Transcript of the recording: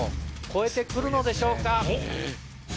超えて来るのでしょうか。